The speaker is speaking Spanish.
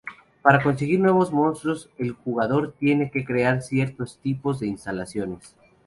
Para conseguir nuevos monstruos el jugador tiene que crear ciertos tipos de instalaciones.